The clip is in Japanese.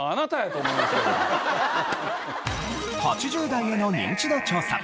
８０代へのニンチド調査。